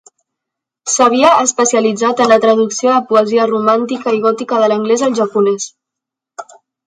S'havia especialitzat en la traducció de poesia romàntica i gòtica de l'anglès al japonès.